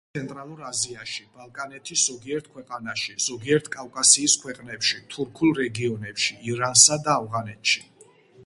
გავრცელებულია ცენტრალურ აზიაში, ბალკანეთის ზოგიერთ ქვეყანაში, ზოგიერთ კავკასიის ქვეყნებში, თურქულ რეგიონებში, ირანსა და ავღანეთში.